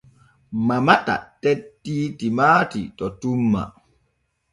Mamata tettti timaati to tumma.